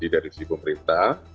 dari sisi pemerintah